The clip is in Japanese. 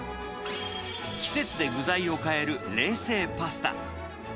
季節で具材を変える冷製パスタ。